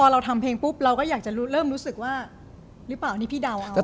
เราก็อยากจะเริ่มรู้สึกว่าหรือเปล่านี่พี่ดาวน์เอา